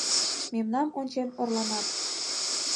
Мемнам ончен орланат.